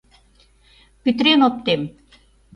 Пӱтырен оптем!